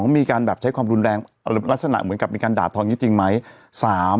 ๒มีนักใช้ความรุนแรงรักษณะเหมือนกันเป็นการด่าทองนี้จริงไหม